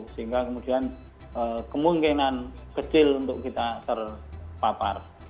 sehingga kemudian kemungkinan kecil untuk kita terpapar